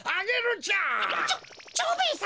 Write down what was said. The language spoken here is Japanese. ちょ蝶兵衛さま。